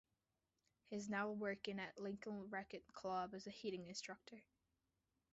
He is now working at Lincoln Racquet Club as a hitting instructor.